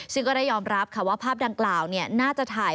ซึ่งก็ได้ยอมรับค่ะว่าภาพดังกล่าวน่าจะถ่าย